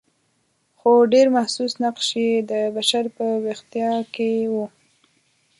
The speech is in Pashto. خو ډېر محسوس نقش یې د بشر په ویښتیا کې و.